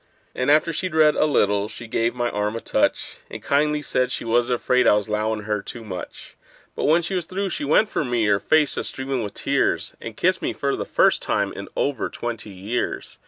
And after she'd read a little she give my arm a touch, And kindly said she was afraid I was 'lowin' her too much; But when she was through she went for me, her face a streamin' with tears, And kissed me for the first time in over twenty years!